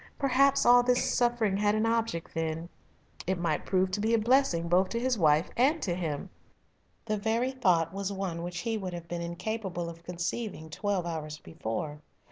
Perhaps all this suffering had an object then. It might prove to be a blessing both to his wife and to him. The very thought was one which he would have been incapable of conceiving twelve hours before.